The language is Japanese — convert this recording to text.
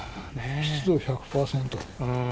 湿度１００％で。